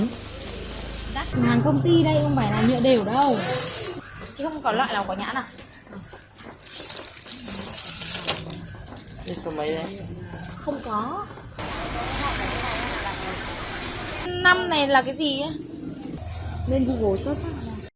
hàng công ty đây không phải là nhựa đều đâu chứ không có loại nào có nhãn à